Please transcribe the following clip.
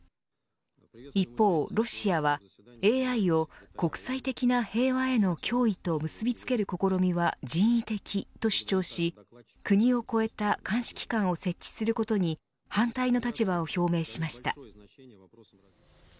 一方ロシアはＡＩを国際的な平和への脅威と結びつける試みは人為的と主張し国を超えた監視機関を設置することに反対の立場を表明しました。